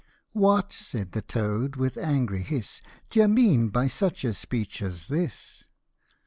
" What," said the toad, with angry his; " D'ye mean by such a speech as this